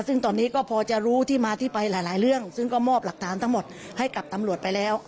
ซึ่งตอนนี้ก็พอจะรู้ที่มาที่ไปหลายเรื่องซึ่งก็มอบหลักฐานทั้งหมดให้กับตำรวจไปแล้ว